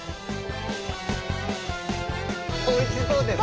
おいしそうですね。